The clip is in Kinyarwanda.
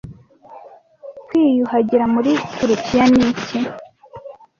Kwiyuhagira muri Turukiya ni iki